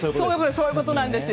そういうことです。